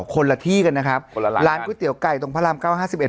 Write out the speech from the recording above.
คนละที่กันนะครับคนละร้านก๋วยเตี๋ยวไก่ตรงพระรามเก้าห้าสิบเอ็